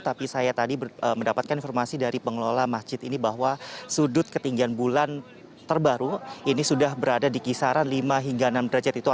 tapi saya tadi mendapatkan informasi dari pengelola masjid ini bahwa sudut ketinggian bulan terbaru ini sudah berada di kisaran lima hingga enam derajat itu